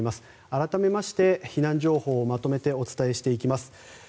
改めまして、避難情報をまとめてお伝えしていきます。